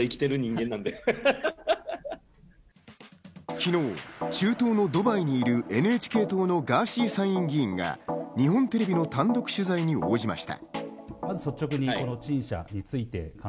昨日、中東のドバイにいるＮＨＫ党のガーシー参議院議員が日本テレビの単独取材に応じました。